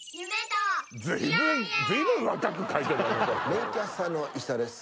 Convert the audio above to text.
メインキャスターの石田です